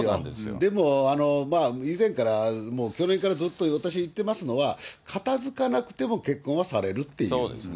でも以前からもう去年からずっと、私言ってますのは、片づかなくても結婚はされるっていう。